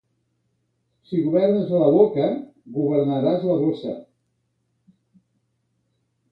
Si governes la boca, governaràs la bossa.